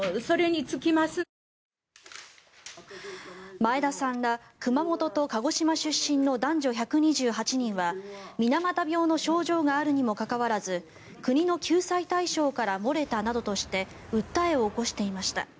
前田さんら熊本と鹿児島出身の男女１２８人は水俣病の症状があるにもかかわらず国の救済対象から漏れたなどとして訴えを起こしていました。